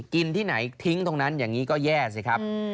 ที่ไหนทิ้งตรงนั้นอย่างนี้ก็แย่สิครับ